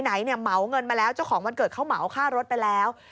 ไหนเนี่ยเหมาเงินมาแล้วเจ้าของวันเกิดเขาเหมาค่ารถไปแล้ว